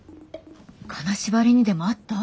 金縛りにでも遭った？